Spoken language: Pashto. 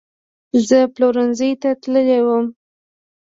زه پلورنځۍ ته تللې وم